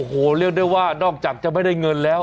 โอ้โหเรียกได้ว่านอกจากจะไม่ได้เงินแล้ว